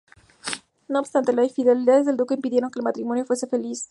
No obstante, las infidelidades del Duque impidieron que el matrimonio fuese feliz.